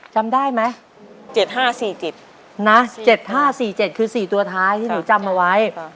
จำได้ไหม๗๕๔๗นะ๗๕๔๗คือ๔ตัวท้ายที่หนูจำเอาไว้